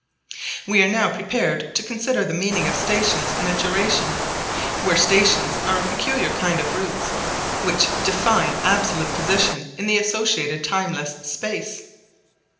We are now prepared to consider the meaning of stations in a duration, where stations are a peculiar kind of routes, which define absolute position in the associated timeless space.